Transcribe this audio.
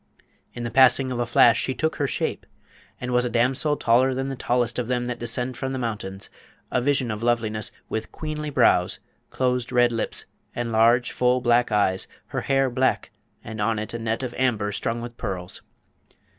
In the passing of a flash she took her shape, and was a damsel taller than the tallest of them that descend from the mountains, a vision of loveliness, with queenly brows, closed red lips, and large full black eyes; her hair black, and on it a net of amber strung with pearls.